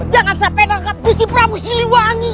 jangan sampai gusti prabu siliwangi